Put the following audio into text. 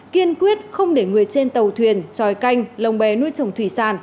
kiên quyết không để người trên tàu thuyền tròi canh lồng bè nuôi trồng thủy sản